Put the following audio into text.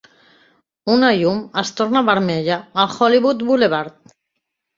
Una llum es torna vermella a Hollywood Boulevard.